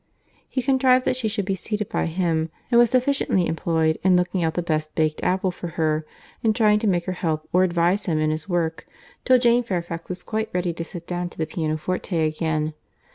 He contrived that she should be seated by him; and was sufficiently employed in looking out the best baked apple for her, and trying to make her help or advise him in his work, till Jane Fairfax was quite ready to sit down to the pianoforte again.